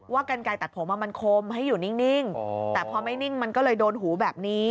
กันไกลตัดผมมันคมให้อยู่นิ่งแต่พอไม่นิ่งมันก็เลยโดนหูแบบนี้